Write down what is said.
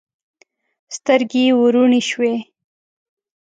سترګې یې وروڼې شوې.